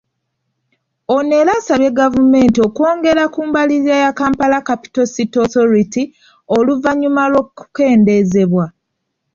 Ono era asabye gavumenti okwongera ku mbalirira ya Kampala Capital City Authority oluvannyuma lw’okukendeezebwa .